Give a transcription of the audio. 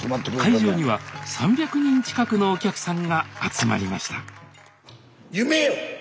会場には３００人近くのお客さんが集まりました夢よ！